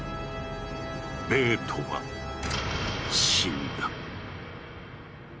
ベートは死んだ。